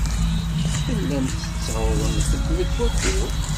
Tellamt tettawḍemt-d deg wakud.